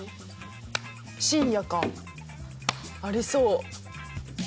深夜かありそう。